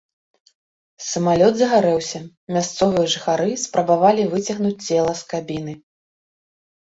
Самалёт загарэўся, мясцовыя жыхары спрабавалі выцягнуць цела з кабіны.